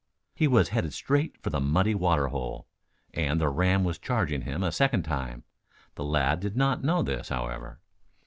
He was headed straight for the muddy water hole, and the ram was charging him a second time. The lad did not know this, however.